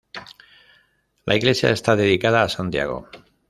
La iglesia está dedicada a Santiago.